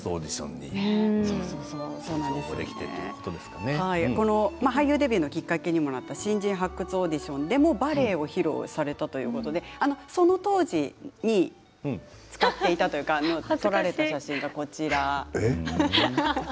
後押しとか皆さんの理解とかが俳優デビューのきっかけにもなった新人発掘オーディションでバレエを披露されたということでその当時に使っていたというか恥ずかしい。